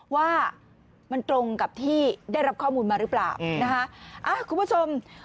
ว่ามันตรงกับที่ได้รับข้อมูลมาหรือเปล่าคุณผู้ชมช่วงหมายเมื่อวันนี้ค่ะ